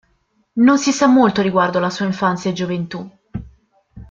Non si sa molto riguardo alla sua infanzia e gioventù.